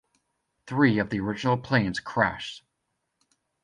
Three of the original planes crashed.